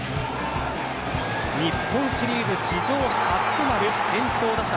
日本シリーズ史上初となる先頭打者